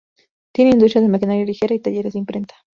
Tiene industria de maquinaria ligera y talleres de imprenta.